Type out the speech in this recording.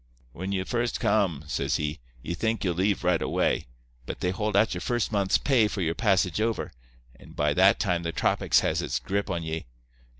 "'When you first come,' says he, 'ye think ye'll leave right away. But they hold out your first month's pay for your passage over, and by that time the tropics has its grip on ye.